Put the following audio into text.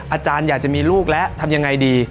อาจารย์อยากจะมีลูกแล้วทำยังไงดี